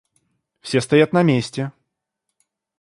Все стоят на месте.